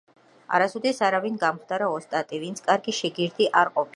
არასოდეს არავინ გამხდარა ოსტატი, ვინც კარგი შეგირდი არ ყოფილა